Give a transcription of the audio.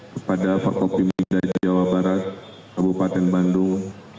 kepada pakopi minda jawa barat kabupaten bandung